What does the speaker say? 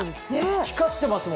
光ってますもんね。